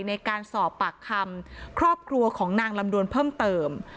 ในการสอบปากคำครอบครัวของนางลำดวนเพิ่มเติม